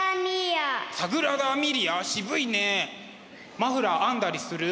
マフラー編んだりする？